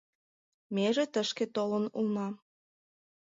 Меже тышке толын улна.